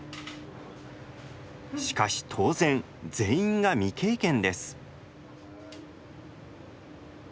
しかし当然全員が未経験です。